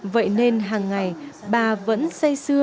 vậy nên hàng ngày bà vẫn xây xưa